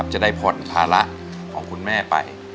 จะได้ผ่อนภาระของคุณแม่ไป